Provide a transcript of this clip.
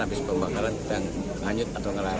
habis pembakaran kita lanjut atau ngelarang